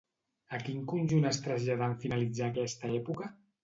A quin conjunt es traslladà en finalitzar aquesta època?